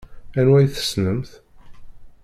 Anwa i tessnemt?